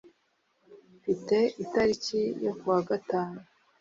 Mfite itariki yo kuwa gatanu